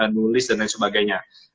nulis dan lain sebagainya